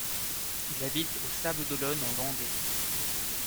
Il habite aux Sables-d'Olonne en Vendée.